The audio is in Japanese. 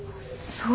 そう。